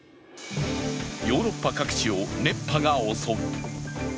ヨーロッパ各地を熱波が襲う。